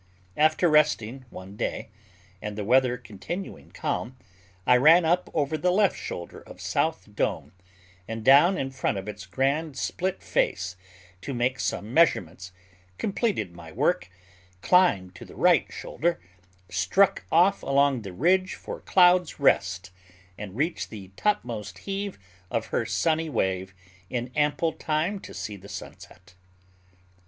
After resting one day, and the weather continuing calm, I ran up over the left shoulder of South Dome and down in front of its grand split face to make some measurements, completed my work, climbed to the right shoulder, struck off along the ridge for Cloud's Rest, and reached the topmost heave of her sunny wave in ample time to see the sunset.